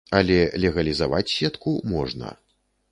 Але легалізаваць сетку можна.